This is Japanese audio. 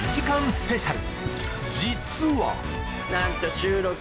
スペシャル